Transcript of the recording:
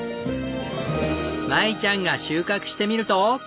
舞ちゃんが収穫してみると。